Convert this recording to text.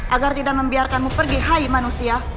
agar tidak membiarkanmu pergi hai manusia